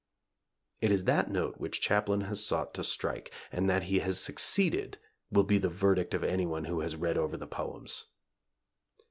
It is that note which Chaplin has sought to strike, and that he has succeeded will be the verdict of anyone who has read over the poems.